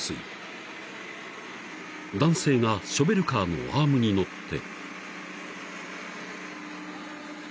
［男性がショベルカーのアームに乗って］